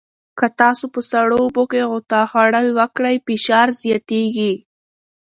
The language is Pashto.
که تاسو په سړو اوبو کې غوطه خوړل وکړئ، فشار زیاتېږي.